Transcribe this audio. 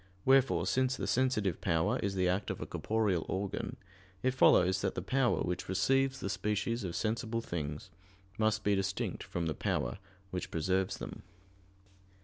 Wherefore, since the sensitive power is the act of a corporeal organ, it follows that the power which receives the species of sensible things must be distinct from the power which preserves them.